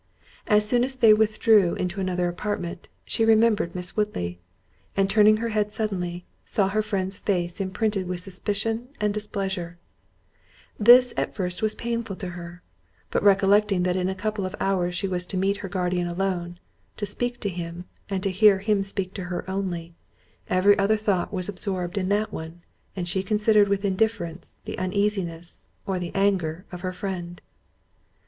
As soon as they withdrew into another apartment, she remembered Miss Woodley; and turning her head suddenly, saw her friend's face imprinted with suspicion and displeasure: this at first was painful to her—but recollecting that in a couple of hours she was to meet her guardian alone—to speak to him, and hear him speak to her only—every other thought was absorbed in that one, and she considered with indifference, the uneasiness, or the anger of her friend.